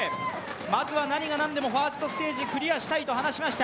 まずは何が何でもファーストステージクリアしたいと話しました。